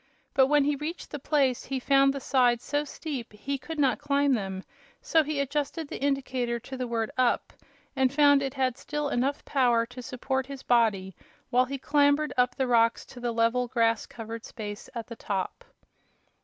But when he reached the place he found the sides so steep he could not climb them, so he adjusted the indicator to the word "up" and found it had still had enough power to support his body while he clambered up the rocks to the level, grass covered space at the top.